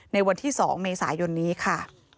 ในวันที่๒เมษายนนี้ค่ะ